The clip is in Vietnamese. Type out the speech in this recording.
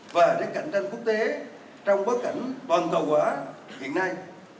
và đang cạnh tranh quốc tế trong bối cảnh toàn cầu hóa hiện nay